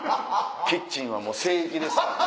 キッチンは聖域ですからね。